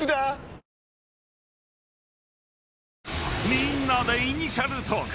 ［みんなでイニシャルトーク。